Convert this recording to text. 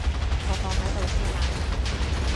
我放喺度先啦